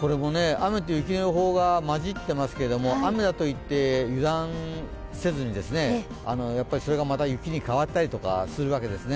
これも雨と雪の予報が混じってますけど雨だといって、油断せずにそれがまた雪に変わったりとかするわけですね。